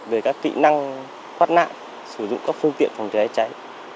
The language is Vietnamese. về các kỹ năng thoát nạn sử dụng các phương tiện phòng cháy cháy